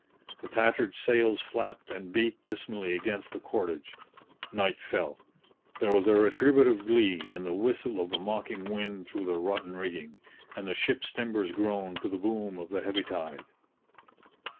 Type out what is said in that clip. The tattered sails flapped and beat dismally against the cordage. Night fell. There was a retributive glee in the whistle of the mocking wind through the rotten rigging, and the ship's timbers groaned to the boom of the heavy tide.